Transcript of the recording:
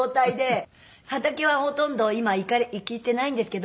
畑はほとんど今行けてないんですけど。